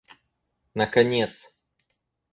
наконец